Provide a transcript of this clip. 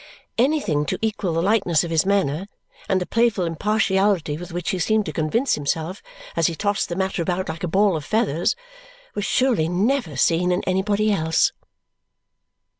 Anything to equal the lightness of his manner and the playful impartiality with which he seemed to convince himself, as he tossed the matter about like a ball of feathers, was surely never seen in anybody else!